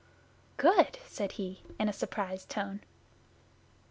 'Good!' said he, in a surprised tone.